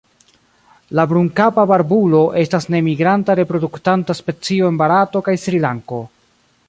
La Brunkapa barbulo estas nemigranta reproduktanta specio en Barato kaj Srilanko.